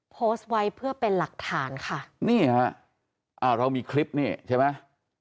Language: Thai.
โพสต์ไว้เพื่อเป็นหลักฐานค่ะนี่ฮะอ่าเรามีคลิปนี่ใช่ไหม